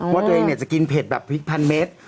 ว่าตัวเองจะกินเผ็ดแบบพริกพันเมตร